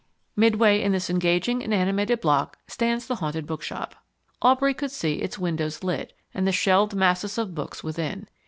Midway in this engaging and animated block stands the Haunted Bookshop. Aubrey could see its windows lit, and the shelved masses of books within.